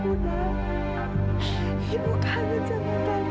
ibu kangen sama kamu nak